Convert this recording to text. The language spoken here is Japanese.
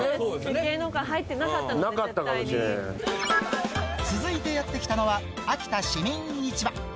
芸能界入ってなかったので、続いてやって来たのは、秋田市民市場。